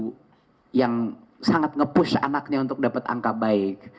dan terutama ibu ibu yang sangat nge push anaknya untuk dapat angka baik